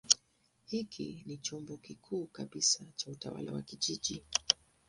Hiki ni chombo kikuu kabisa cha utawala wa kijiji.